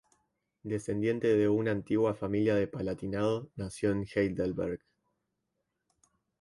Descendiente de una antigua familia del Palatinado, nació en Heidelberg.